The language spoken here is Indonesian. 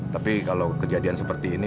tapi kalau kejadian seperti ini